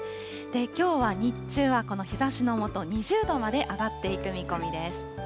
きょうは日中はこの日ざしの下、２０度まで上がっていく見込みです。